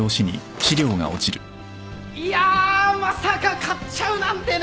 いやまさか勝っちゃうなんてね！